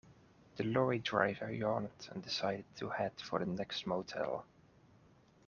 The lorry driver yawned and decided to head for the next motel.